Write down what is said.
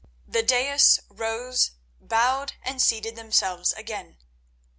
The daïs rose, bowed, and seated themselves again.